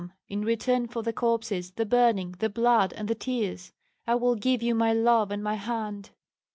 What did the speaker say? in return for the corpses, the burning, the blood, and the tears, I will give you my love and my hand"?